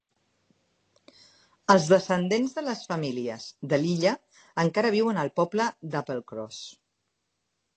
Els descendents de les famílies de l'illa encara viuen al poble d'Applecross.